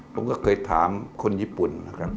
ผมก็เคยถามคนญี่ปุ่นนะครับ